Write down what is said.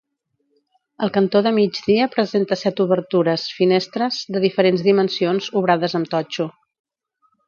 El cantó de migdia presenta set obertures -finestres- de diferents dimensions obrades amb totxo.